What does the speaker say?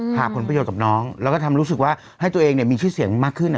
หาผลประโยชน์กับน้องแล้วก็ทำรู้สึกว่าให้ตัวเองมีชื่อเสียงมากขึ้น